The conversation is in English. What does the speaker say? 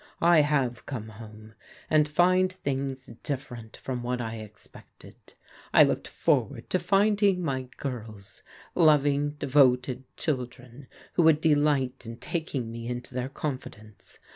I have come home, and find things different from what I expected. I looked forward to finding my girls, loving, devoted children who would delight in taking me into their confidence.